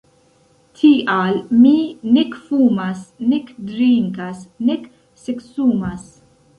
Tial mi nek fumas nek drinkas nek seksumas!